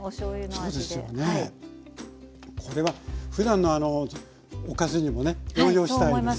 これはふだんのおかずにもね応用したいですよね。